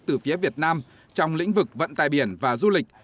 từ phía việt nam trong lĩnh vực vận tài biển và du lịch